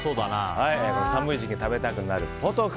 寒い時期に食べたくなるポトフ。